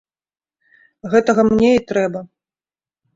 Гэтага мне і трэба.